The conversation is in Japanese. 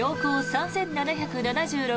３７７６